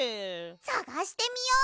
さがしてみよう！